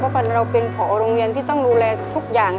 เพราะเราเป็นผอโรงเรียนที่ต้องดูแลทุกอย่าง